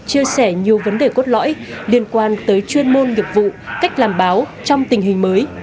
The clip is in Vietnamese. chia sẻ nhiều vấn đề cốt lõi liên quan tới chuyên môn nghiệp vụ cách làm báo trong tình hình mới